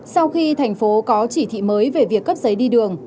sau khi thành phố có chỉ thị mới về việc cấp giấy đi đường